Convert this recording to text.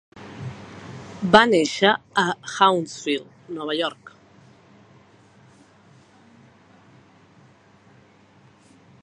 Va néixer a Hounsfield, Nova York.